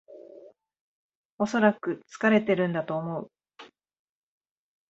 おそらく疲れてるんだと思う